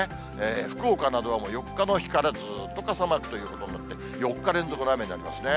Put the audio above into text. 福岡などは４日の日からずっと傘マークということになって、４日連続の雨になりますね。